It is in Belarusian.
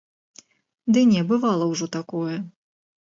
Ды не, бывала ўжо такое.